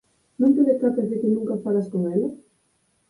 ¿Non te decatas de que nunca falas con ela?